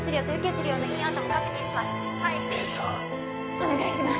お願いします！